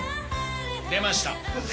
出ました！